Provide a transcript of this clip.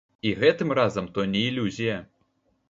І гэтым разам то не ілюзія.